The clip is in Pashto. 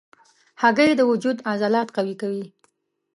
هګۍ د وجود عضلات قوي کوي.